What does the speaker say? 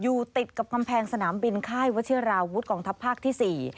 อยู่ติดกับกำแพงสนามบินค่ายวัชิราวุฒิกองทัพภาคที่๔